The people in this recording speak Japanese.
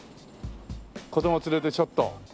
子供連れてちょっと。